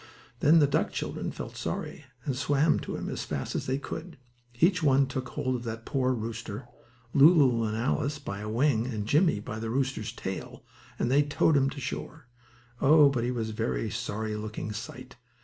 Then the duck children felt sorry, and swam to him as fast as they could. Each one took hold of that poor rooster; Lulu and Alice by a wing, and Jimmie by the rooster's tail, and they towed him to shore. Oh, but he was a sorry looking sight!